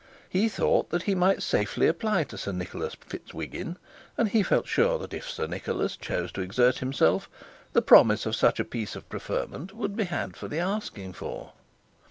He thought that he might safely apply to Sir Nicholas Fitzhiggin; and he felt sure that if Sir Nicholas chose to exert himself, the promise of such a piece of preferment would be had for the asking for.